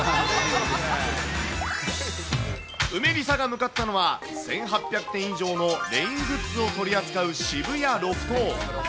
うめりさが向かったのは、１８００点以上のレイングッズを取り扱う渋谷ロフト。